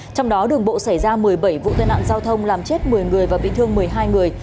trong đó đường bộ xảy ra một mươi bảy vụ tai nạn giao thông làm chết một mươi người và bị thương một mươi hai người